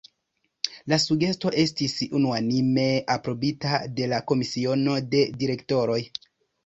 La sugesto estis unuanime aprobita de la Komisiono de direktoroj.